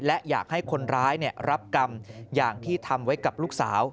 และอยากให้คนร้ายรับกรรมอย่างที่ทำไว้กับลูกสาว